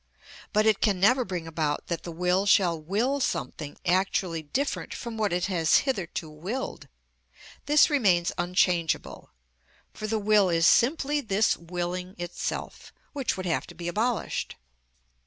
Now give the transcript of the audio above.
But it can never bring about that the will shall will something actually different from what it has hitherto willed; this remains unchangeable, for the will is simply this willing itself, which would have to be abolished.